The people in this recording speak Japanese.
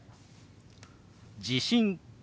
「地震」。